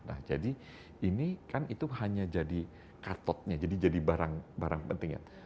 nah jadi ini kan itu hanya jadi cut out nya jadi jadi barang penting ya